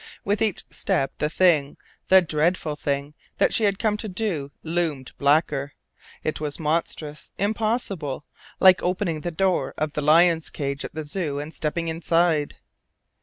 With each step the thing, the dreadful thing, that she had come to do, loomed blacker. It was monstrous, impossible, like opening the door of the lions' cage at the Zoo and stepping inside.